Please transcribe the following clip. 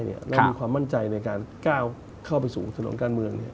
เรามีความมั่นใจในการก้าวเข้าไปสู่ถนนการเมือง